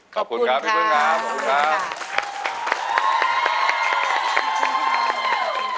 ขอบคุณครับพี่คุณครับ